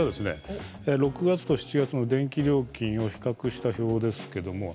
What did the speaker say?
６月と７月の電気料金を比較した表です。